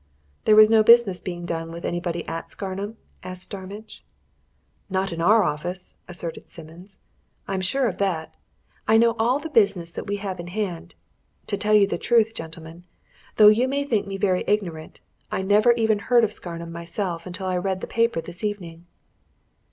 "There was no business being done with anybody at Scarnham?" asked Starmidge. "Not in our office!" asserted Simmons. "I'm sure of that. I know all the business that we have in hand. To tell you the truth, gentlemen, though you may think me very ignorant, I never even heard of Scarnham myself until I read the paper this evening."